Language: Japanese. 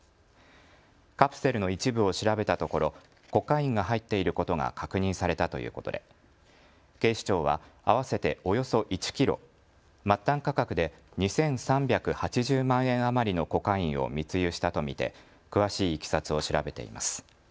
カプセルの一部を調べたところコカインが入っていることが確認されたということで警視庁は合わせておよそ１キロ、末端価格で２３８０万円余りのコカインを密輸したと見て詳しいいきさつを調べています。